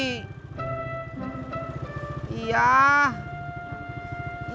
apalagi kalau pulang pergi